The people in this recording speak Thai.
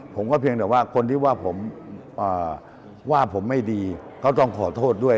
ผมก็เพียงแต่ว่าคนที่ว่าผมไม่ดีก็ต้องขอโทษด้วย